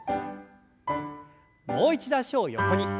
もう一度脚を横に。